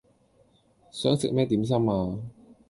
想食咩點心呀